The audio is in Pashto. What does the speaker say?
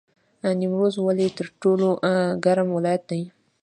نیمروز ولې تر ټولو ګرم ولایت دی؟